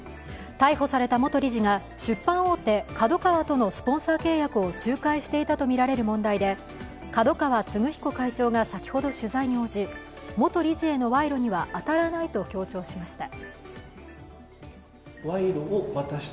逮捕された元理事が出版大手ＫＡＤＯＫＡＷＡとのスポンサー契約を仲介していたとみられる問題で、角川歴彦会長が先ほど取材に応じ、元理事への賄賂には当たらないと強調しました。